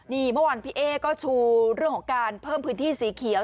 นี่เมื่อวานพี่เอ๊ก็ชูเรื่องของการเพิ่มพื้นที่สีเขียว